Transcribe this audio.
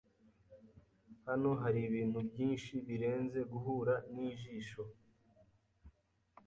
Hano haribintu byinshi birenze guhura nijisho.